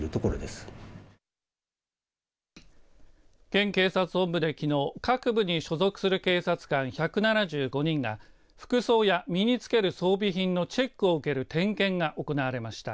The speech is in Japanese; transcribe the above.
県警察本部できのう各部に所属する警察官１７５人が服装や身につける装備品のチェックを受ける点検が行われました。